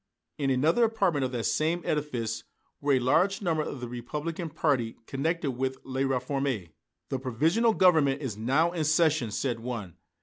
In another apartment of that same edifice were a large number of the Republican party connected with "La Réforme." "The Provisional Government is now in session," said one.